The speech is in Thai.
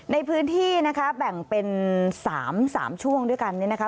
ในพื้นที่นะคะแบ่งเป็น๓๓ช่วงด้วยกันเนี่ยนะคะ